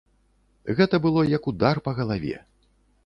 Гэта было як удар па галаве.